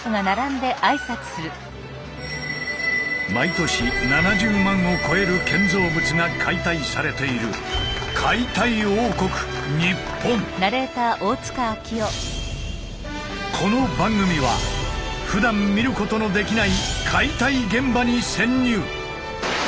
毎年７０万を超える建造物が解体されているこの番組はふだん見ることのできない解体現場に潜入。